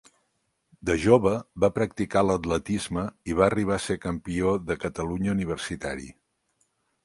De jove va practicar l’atletisme i va arribar a ser campió de Catalunya universitari.